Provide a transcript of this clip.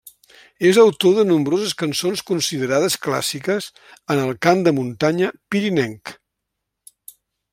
És autor de nombroses cançons considerades clàssiques en el cant de muntanya pirinenc.